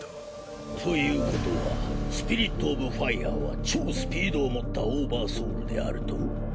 ということはスピリットオブファイアは超スピードを持ったオーバーソウルであると？